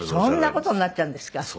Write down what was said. そんな事になっちゃうんですか。